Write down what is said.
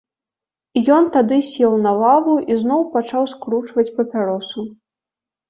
Ён тады сеў на лаву і зноў пачаў скручваць папяросу.